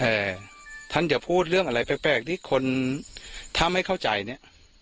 แต่ท่านจะพูดเรื่องอะไรแปลกที่คนทำให้เข้าใจเนี่ย